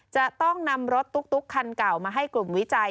จะต้องนำรถตุ๊กคันเก่ามาให้กลุ่มวิจัย